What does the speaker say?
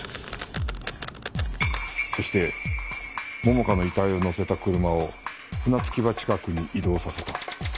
そして桃花の遺体を乗せた車を船着場近くに移動させた。